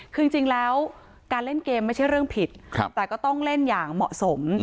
คือจริงแล้วการเล่นเกมไม่ใช่เรื่องผิดแต่ก็ต้องเล่นอย่างเหมาะสม